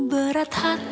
dia benar chaka